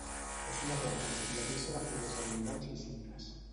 És una planta enfiladissa de fulles abundants i simples.